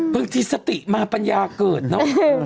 บางทีสติมาปัญญาเกิดเนอะ